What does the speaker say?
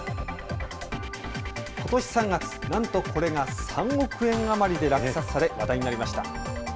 ことし３月、なんとこれが３億円余りで落札され、話題になりました。